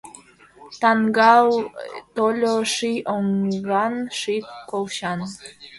Тӓҥгӓл тольо ший оҥган, ший колчан.